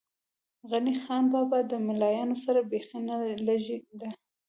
غني خان بابا ده ملایانو سره بېخی نه لږې ده.